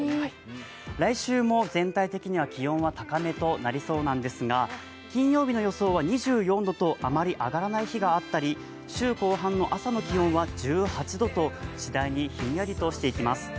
来週も全体的には気温は高めとなりそうなんですが金曜日の予想は２４度とあまり上がらない日があったり、週後半の朝の気温は１８度としだいにひんやりとしていきます。